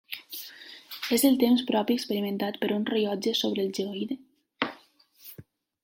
És el temps propi experimentat per un rellotge sobre el geoide.